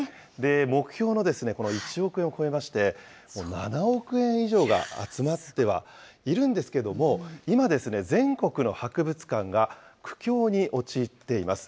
目標の１億円を超えまして、もう７億円以上が集まってはいるんですけれども、今、全国の博物館が苦境に陥っています。